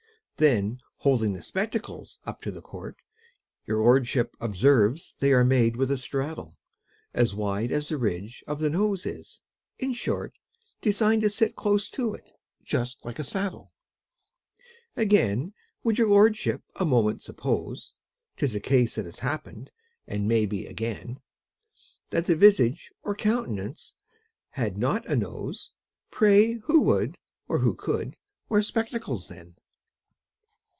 Then holding the spectacles up to the court Your lordship observes they are made with a straddle As wide as the ridge of the Nose is; in short, Designed to sit close to it, just like a saddle. Again, would your lordship a moment suppose ('Tis a case that has happened, and may be again) That the visage or countenance had not a nose, Pray who would, or who could, wear spectacles then!